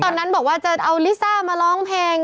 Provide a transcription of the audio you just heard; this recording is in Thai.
ตอนนั้นบอกว่าจะเอาลิซ่ามาร้องเพลง